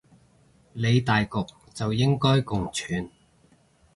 理大局就應該共存